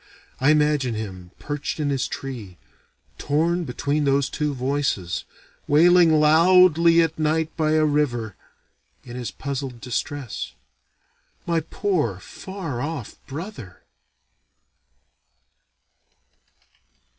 I imagine him, perched in his tree, torn between those two voices, wailing loudly at night by a river, in his puzzled distress. My poor far off brother!